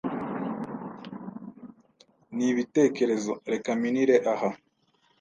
nibitekerezo! Reka mpinire aha